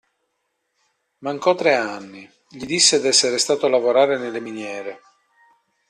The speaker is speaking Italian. Mancò tre anni: gli disse d'essere stato a lavorare nelle miniere.